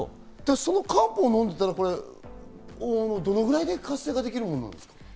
その漢方を飲んでたら、どれぐらいで活性化できるんですか？